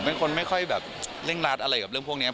เป็นคนไม่ค่อยแบบเร่งรัดอะไรกับเรื่องพวกนี้